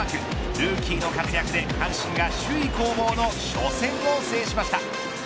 ルーキーの活躍で、阪神が首位攻防の初戦を制しました。